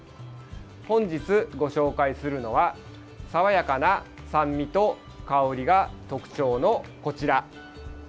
本日ご紹介するのは爽やかな酸味と香りが特徴のこちら。